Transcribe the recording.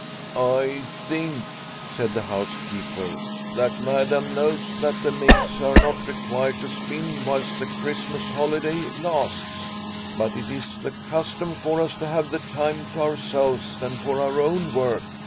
" I think," said the housekeeper, " that Madam knows that the maids are not required to spin whilst the Christmas holiday lasts, but it is the custom for us to have the time to our selves and for our own work.